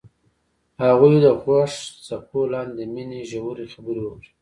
هغوی د خوښ څپو لاندې د مینې ژورې خبرې وکړې.